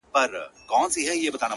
o په هر چا کي ښه او بد سته!